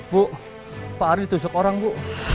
bu pak arief tusuk orang bu